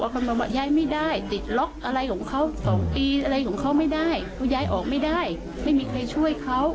๒ปีอะไรของเขาไม่ได้เขาย้ายออกไม่ได้ไม่มีใครช่วยเขา